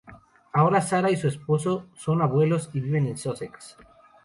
Ahora, Sara y su esposo son abuelos y viven en Sussex.